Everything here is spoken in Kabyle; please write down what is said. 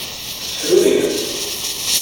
Fruri.